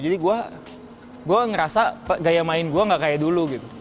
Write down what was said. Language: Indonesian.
jadi gue ngerasa gaya main gue gak kayak dulu gitu